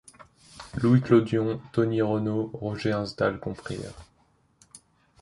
Louis Clodion, Tony Renault, Roger Hinsdale comprirent.